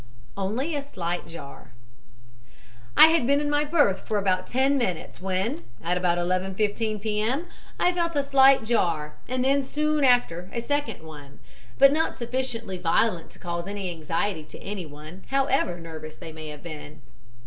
ONLY A SLIGHT JAR "I had been in my berth for about ten minutes, when, at about 11.15 P. M., I felt a slight jar, and then soon after a second one, but not sufficiently violent to cause any anxiety to anyone, however nervous they may have been.